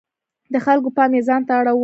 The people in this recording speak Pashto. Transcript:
د خلکو پام یې ځانته اړاوه.